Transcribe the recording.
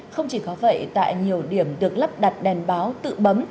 không chỉ có vậy tại nhiều điểm được lắp đặt đèn báo tự bấm